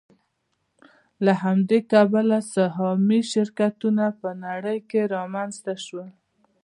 له همدې کبله سهامي شرکتونه په نړۍ کې رامنځته شول